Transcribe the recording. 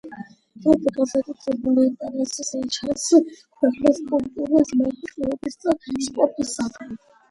მეფე განსაკუთრებულ ინტერესს იჩენს ქვეყნის კულტურული მემკვიდრეობისა და სპორტისადმი.